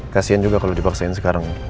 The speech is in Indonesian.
kasian juga kalau dipaksain sekarang